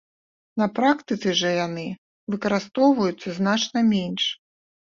На практыцы жа яны выкарыстоўваюцца значна менш.